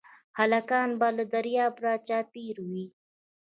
هلکان به له ربابه راچاپېر وي